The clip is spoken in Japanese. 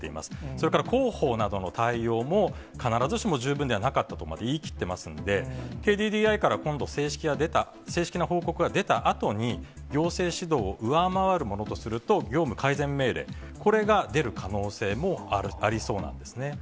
それから広報などの対応も、必ずしも十分ではなかったとまで言い切ってますので、ＫＤＤＩから、今度正式な報告が出たあとに、行政指導を上回るものとすると、業務改善命令、これが出る可能性もありそうなんですね。